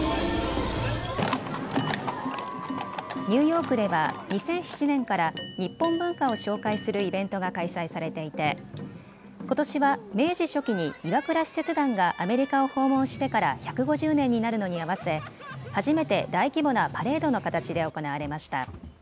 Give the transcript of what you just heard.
ニューヨークでは２００７年から日本文化を紹介するイベントが開催されていてことしは明治初期に岩倉使節団がアメリカを訪問してから１５０年になるのに合わせ初めて大規模なパレードの形で行われました。